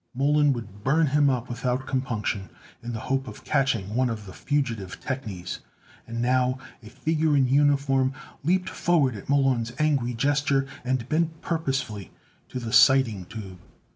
Mollon would burn him up without compunction, in the hope of catching one of the fugitive technies. And now a figure in uniform leaped forward at Mollon's angry gesture, and bent purposefully to the sighting tube.